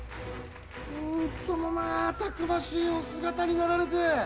なんともまあたくましいお姿になられて！